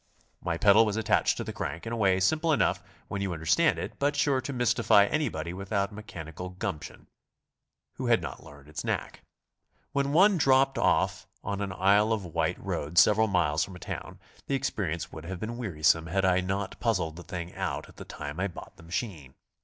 My pedal was attached to the crank in a way simple enough when you understand it, but sure to mystify anybody without mechanical ''gumption" who had 102 GOING ABROAD? not learned its knack. Wh en one dropped off on an Isle of Wight road several miles from a town, the experience would have been wearisome had I not puzzled the thing out at the time I bought the machine.